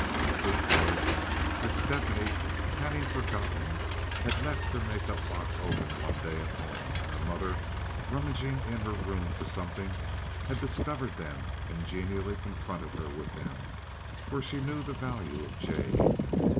The truth was that Stephanie, having forgotten, had left her make up box open one day at home, and her mother, rummaging in her room for something, had discovered them and genially confronted her with them, for she knew the value of jade.